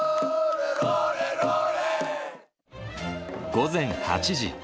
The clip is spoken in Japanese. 午前８時。